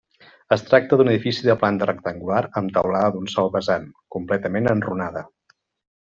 Es tracta d'un edifici de planta rectangular amb teulada d'un sol vessant, completament enrunada.